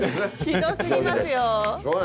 ひどすぎますよ。